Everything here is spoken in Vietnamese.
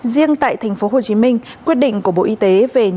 riêng tại tp hcm quyết định của bộ y tế về